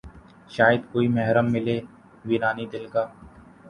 شاید کوئی محرم ملے ویرانئ دل کا